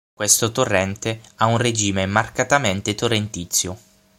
Questo torrente ha un regime marcatamente torrentizio.